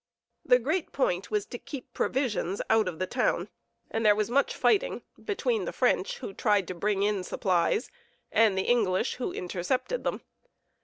The great point was to keep provisions out of the town, and there was much fighting between the French who tried to bring in supplies, and the English who intercepted them.